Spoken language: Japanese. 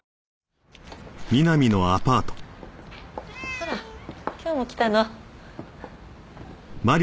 あら今日も来たの？